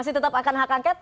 masih tetap akan hak angket